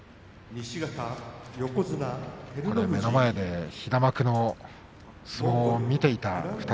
目の前で平幕の相撲を見ていた２人。